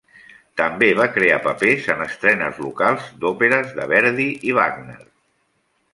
També va crear papers en estrenes locals d'òperes de Verdi i Wagner.